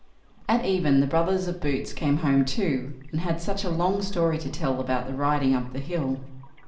At even the brothers of Boots came home too, and had such a long story to tell about the riding up the hill.